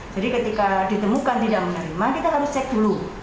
jadi ketika ditemukan tidak menerima kita harus cek dulu